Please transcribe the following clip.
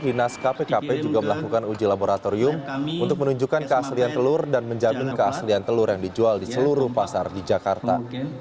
dinas kpkp juga melakukan uji laboratorium untuk menunjukkan keaslian telur dan menjamin keaslian telur yang dijual di seluruh pasar di jakarta